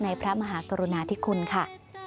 พระมหากรุณาธิคุณค่ะ